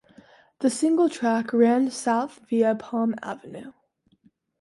The single track ran south via Palm Avenue.